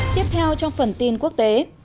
tiếp theo trong phần tin quốc tế